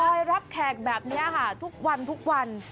ไปรับแขกแบบนี้ค่ะทุกวันทุกวัน